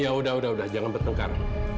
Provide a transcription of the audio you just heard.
ya udah udah jangan bertengkar